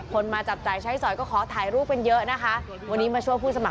ผู้จัดท้ายบอกว่าเห็นแล้วล่ะว่า